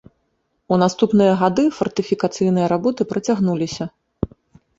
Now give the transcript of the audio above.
У наступныя гады фартыфікацыйныя работы працягнуліся.